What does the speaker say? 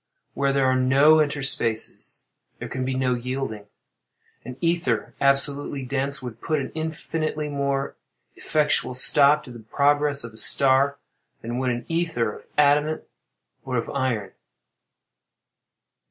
Where there are no interspaces, there can be no yielding. An ether, absolutely dense, would put an infinitely more effectual stop to the progress of a star than would an ether of adamant or of iron.